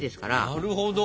なるほど。